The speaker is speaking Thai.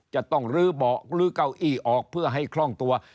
จะต้องลื้อเบาะลื้อเก้าอี้ออกเพื่อให้คล่องตัว